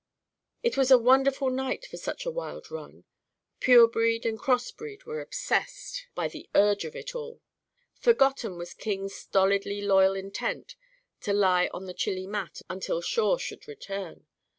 It was a wonderful night for such a wild run. Pure breed and cross breed were obsessed by the urge of it all. Forgotten was King's stolidly loyal intent to lie on the chilly mat until Shawe should return.